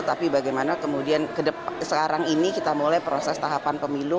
tapi bagaimana kemudian sekarang ini kita mulai proses tahapan pemilu